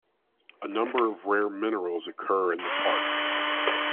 A number of rare minerals occur in the park.